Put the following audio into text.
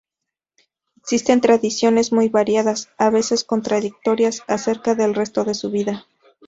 Existen tradiciones, muy variadas, a veces contradictorias, acerca del resto de su vida.